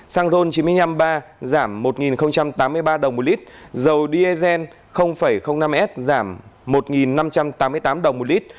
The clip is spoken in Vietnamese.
xăng ron chín trăm năm mươi ba giảm một tám mươi ba đồng một lít dầu diesel năm s giảm một năm trăm tám mươi tám đồng một lít